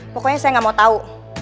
pokoknya saya gak mau tau